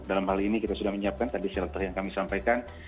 dalam hal ini kita sudah menyiapkan tadi shelter yang kami sampaikan